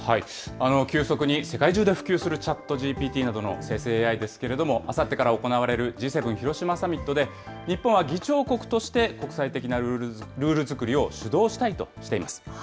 急速に世界中で普及するＣｈａｔＧＰＴなどの生成ＡＩですけれども、あさってから行われるＧ７広島サミットで、日本は議長国として、国際的なルール作りを主導したいとしています。